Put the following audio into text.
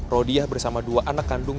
rodiah bersama dua anak kandung